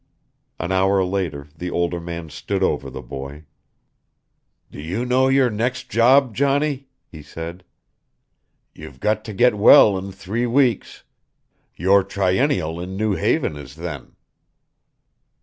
An hour later the older man stood over the boy. "Do you know your next job, Johnny?" he said. "You've got to get well in three weeks. Your triennial in New Haven is then."